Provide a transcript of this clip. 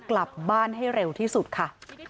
กลับบ้านให้เร็วที่สุดค่ะ